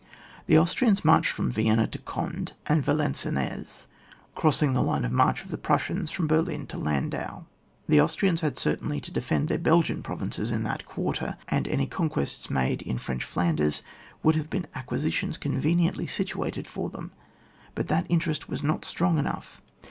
The Austrians marched from Vienna to Gond^ and Valenciennes, crossing the line of march of the Prussians from Ber lin to Landau. The Austrians had cer tainly to defend their Belgian provinces in that quarter, and any conquests made in French Flanders woul^ have been acquisitions conveniently situated for them, but that interest was not strong enough.